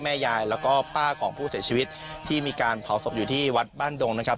แม่ยายแล้วก็ป้าของผู้เสียชีวิตที่มีการเผาศพอยู่ที่วัดบ้านดงนะครับ